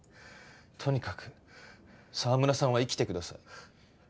とにかく澤村さんは生きてください。